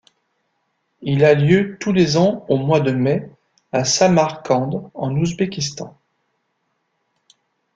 Il a lieu tous les ans au mois de mai à Samarcande, en Ouzbékistan.